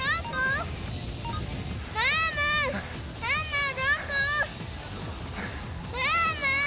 ママ！